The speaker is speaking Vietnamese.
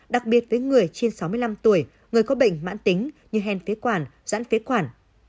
đặc biệt với người trên sáu mươi năm tuổi người có bệnh mãn tính như hèn phế quản giãn phế quản